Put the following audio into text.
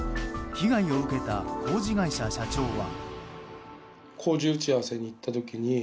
被害を受けた工事会社社長は。